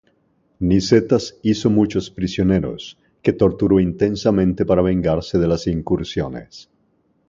Nicetas hizo muchos prisioneros, que torturó intensamente para vengarse de las incursiones.